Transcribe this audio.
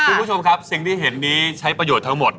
คุณผู้ชมครับสิ่งที่เห็นนี้ใช้ประโยชน์ทั้งหมด